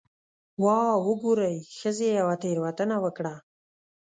'واه وګورئ، ښځې یوه تېروتنه وکړه'.